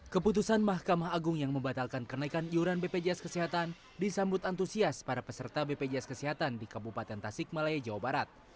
keputusan mahkamah agung yang membatalkan kenaikan iuran bpjs kesehatan disambut antusias para peserta bpjs kesehatan di kabupaten tasik malaya jawa barat